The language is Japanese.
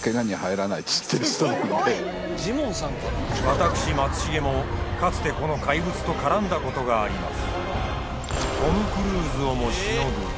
私松重もかつてこの怪物と絡んだことがあります